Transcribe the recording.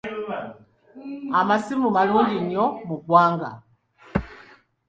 Amasimu malungi nnyo mu ggwanga.